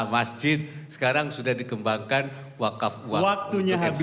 masjid sekarang sudah dikembangkan wakaf uang untuk investasi